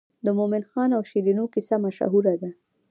د مومن خان او شیرینو کیسه مشهوره ده.